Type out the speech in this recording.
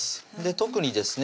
特にですね